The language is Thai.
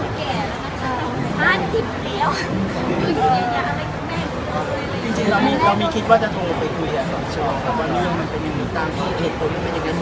แค่เขากดแจกตัวเบลี่เรามาเราก็รู้สึกว่าทั้งที่เราไม่ได้รู้จักกับคนในนักเลย